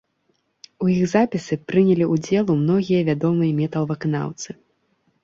У іх запісы прынялі ўдзелу многія вядомыя метал-выканаўцы.